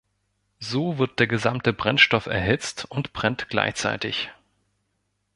So wird der gesamte Brennstoff erhitzt und brennt gleichzeitig.